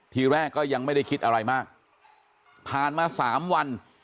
ทีแรกก็ยังไม่ได้คิดอะไรมากผ่านมาสามวัน